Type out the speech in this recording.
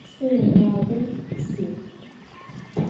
Se vunağo si'.